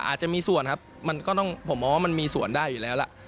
อาจจะมีส่วนครับมันก็ต้องผมมองว่ามันมีส่วนได้อยู่แล้วล่ะ